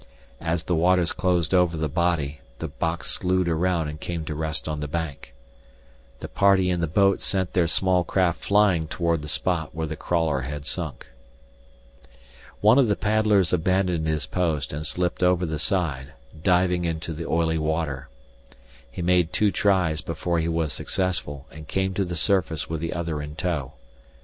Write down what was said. As the waters closed over the body, the box slued around and came to rest on the bank. The party in the boat sent their small craft flying toward the spot where the crawler had sunk. One of the paddlers abandoned his post and slipped over the side, diving into the oily water. He made two tries before he was successful and came to the surface with the other in tow.